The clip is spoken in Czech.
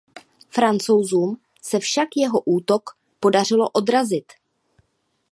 Francouzům se však jeho útok podařilo odrazit.